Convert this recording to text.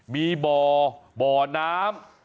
มีบ่อบ่อน้ำ